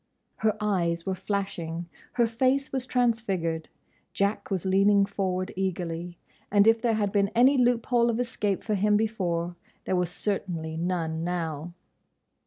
Her eyes were flashing; her face was transfigured; Jack was leaning forward eagerly, and if there had been any loophole of escape for him before, there was certainly none now.